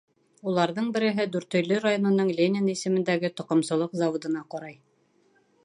Уларҙың береһе Дүртөйлө районының Ленин исемендәге тоҡомсолоҡ заводына ҡарай.